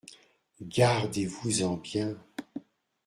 Gardez-vous-en bien !